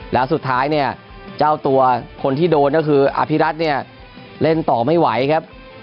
แล้วสุดท้ายเนี่ยเจ้าตัวคนที่โดนก็คืออภิรัตนเนี่ยเล่นต่อไม่ไหวครับ